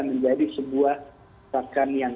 menjadi sebuah makan yang